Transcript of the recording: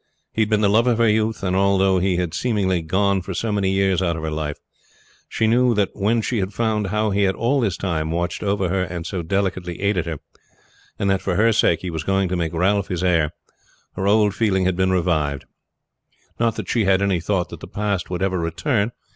He had been the love of her youth; and although he had seemingly gone for so many years out of her life, she knew that when she had found how he had all this time watched over her and so delicately aided her, and that for her sake he was going to make Ralph his heir, her old feeling had been revived. Not that she had any thought that the past would ever return.